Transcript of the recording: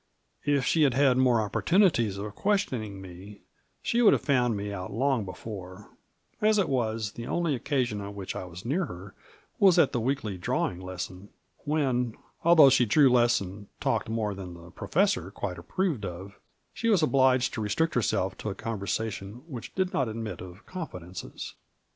If she had had more opportunities of questioning me, she would have found me out long before ; as it was, the only occasion on which I was near her was at the weekly drawing lesson, when, although she drew less and talked more than the Professor quite approved of, she was obliged to restrict herself to a conversation which did not admit of confidences.